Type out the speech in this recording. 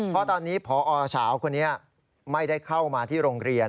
เพราะตอนนี้พอเฉาคนนี้ไม่ได้เข้ามาที่โรงเรียน